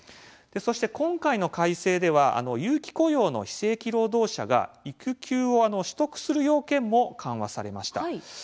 そして今回の改正では有期雇用の非正規労働者が育休を取得する要件も緩和されました。